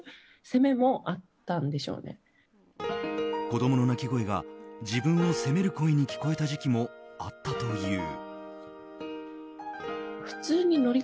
子供の泣き声が自分を責める声に聞こえた時期もあったという。